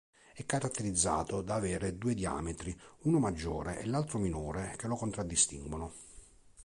È caratterizzato da avere due diametri, uno maggiore e l'altro minore che lo contraddistinguono.